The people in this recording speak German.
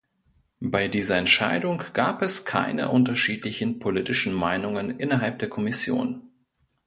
Bei dieser Entscheidung gab es keine unterschiedlichen politischen Meinungen innerhalb der Kommission.